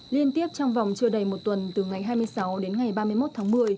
liên tiếp trong vòng chưa đầy một tuần từ ngày hai mươi sáu đến ngày ba mươi một tháng một mươi